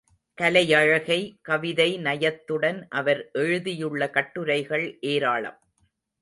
கலையழகை, கவிதை நயத்துடன் அவர் எழுதியுள்ள கட்டுரைகள் ஏராளம்.